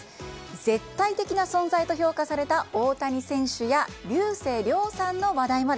絶対的な存在と評価された大谷選手や竜星涼さんの話題まで。